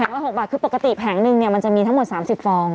แผงละ๖บาทคือปกติแผงหนึ่งมันจะมีทั้งหมด๓๐ฟอง